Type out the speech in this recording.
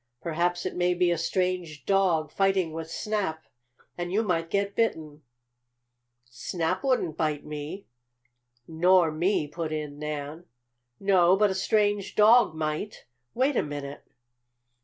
"Perhaps it may be a strange dog, fighting with Snap, and you might get bitten." "Snap wouldn't bite me." "Nor me!" put in Nan. "No, but the strange dog might. Wait a minute."